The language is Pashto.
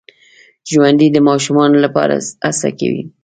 ژوندي د ماشومانو لپاره هڅه کوي